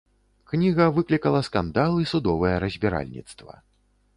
Кніга выклікала скандал і судовае разбіральніцтва.